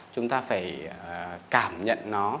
chúng ta phải cảm nhận nó